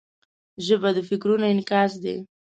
ژبه د فکرونو انعکاس دی